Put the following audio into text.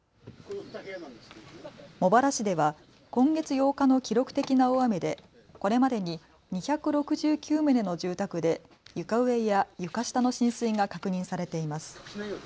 茂原市では今月８日の記録的な大雨でこれまでに２６９棟の住宅で床上や床下の浸水が確認されています。